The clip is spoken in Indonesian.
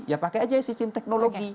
ya pakai aja sistem teknologi